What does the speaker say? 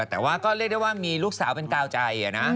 แต่ว่าก็เรียกได้ว่ามีลูกสาวเป็นกาวใจนะ